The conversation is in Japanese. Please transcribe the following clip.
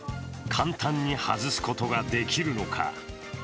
簡単に外すことができるのか。